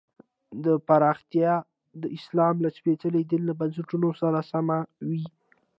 دا پراختیا د اسلام له سپېڅلي دین له بنسټونو سره سمه وي.